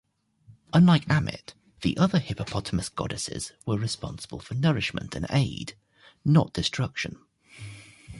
Unlike Ammit, the other hippopotamus goddesses were responsible for nourishment and aid, not destruction.